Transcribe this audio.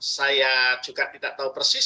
saya juga tidak tahu persis